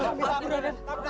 apa yang terjadi